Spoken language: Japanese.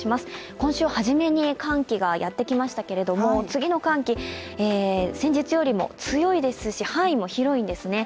今週初めに寒気がやってきましたけれども次の寒気、先日よりも強いですし範囲も広いんですね。